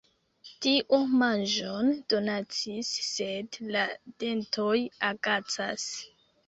Dio manĝon donacis, sed la dentoj agacas.